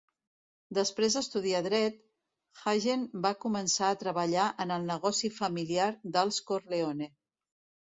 Després d'estudiar dret, Hagen va començar a treballar en el "negoci familiar" dels Corleone.